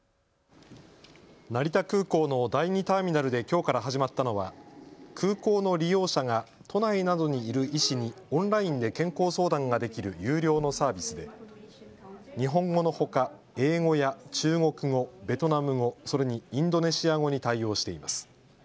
成田空港の第２ターミナルできょうから始まったのは空港の利用者が都内などにいる医師にオンラインで健康相談ができる有料のサービスで日本語のほか英語や中国語、ベトナム語、それにインドネシア語に対応しています。